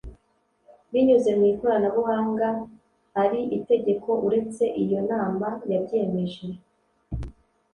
binyuze mu ikoranabuhanga ari itegeko uretse iyo nama yabyemeje